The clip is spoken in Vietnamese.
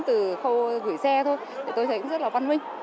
chỉ dẫn từ khâu gửi xe thôi tôi thấy cũng rất là văn minh